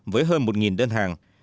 với hơn một đơn hàng